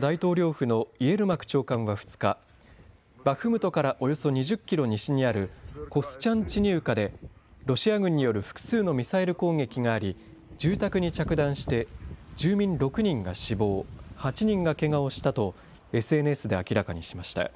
大統領府のイエルマク長官は２日、バフムトからおよそ２０キロ西にあるコスチャンチニウカで、ロシア軍による複数のミサイル攻撃があり、住宅に着弾して、住民６人が死亡、８人がけがをしたとＳＮＳで明らかにしました。